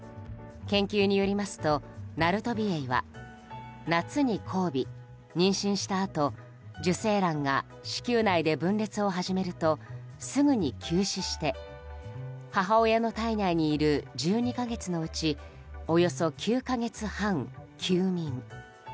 研究によりますとナルトビエイは夏に交尾、妊娠したあと受精卵が子宮内で分裂を始めるとすぐに休止して母親の胎内にいる１２か月のうちおよそ９か月半、休眠。